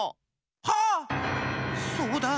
はっそうだ！